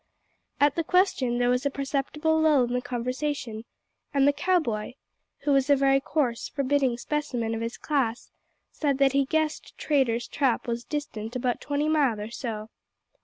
At the question there was a perceptible lull in the conversation, and the cow boy, who was a very coarse forbidding specimen of his class, said that he guessed Traitor's Trap was distant about twenty mile or so.